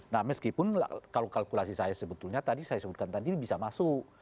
nah meskipun kalau kalkulasi saya sebetulnya tadi saya sebutkan tadi bisa masuk